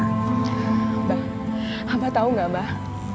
abah abah tahu gak bah